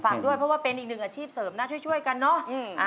ด้วยเพราะว่าเป็นอีกหนึ่งอาชีพเสริมนะช่วยกันเนอะ